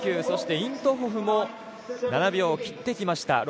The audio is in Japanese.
イント・ホフも７秒切ってきました